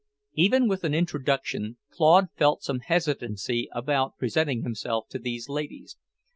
Even with an introduction, Claude felt some hesitancy about presenting himself to these ladies.